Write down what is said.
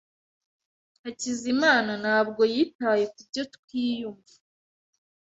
Hakizimana ntabwo yitaye kubyo twiyumva.